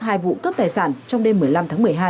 hai vụ cướp tài sản trong đêm một mươi năm tháng một mươi hai